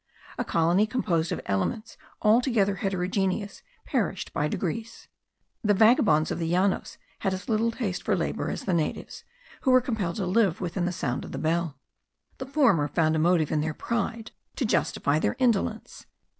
A colony composed of elements altogether heterogeneous perished by degrees. The vagabonds of the Llanos had as little taste for labour as the natives, who were compelled to live within the sound of the bell. The former found a motive in their pride to justify their indolence.